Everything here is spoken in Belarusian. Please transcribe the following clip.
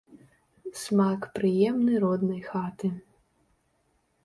Смак прыемны роднай хаты.